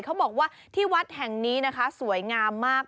เขาบอกว่าที่วัดแห่งนี้นะคะสวยงามมาก